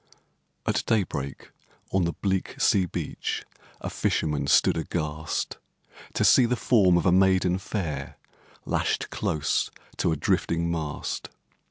At day break, on the bleak sea beach A fisherman stood aghast, To see the form of a maiden fair Lashed close to a drifting mast.